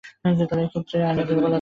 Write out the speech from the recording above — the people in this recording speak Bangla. এ ক্ষেত্রে আইনের দুর্বলতা আছে।